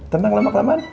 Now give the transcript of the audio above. tenang lama kelamaan